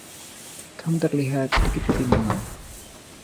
Tom terlihat sedikit kebingungan.